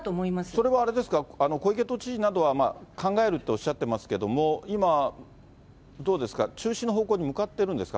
それはあれですか、小池都知事などは考えるっておっしゃってますけれども、今、どうですか、中止の方向に向かってるんですか？